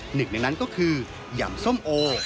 หนึ่งในนั้นก็คือยำส้มโอ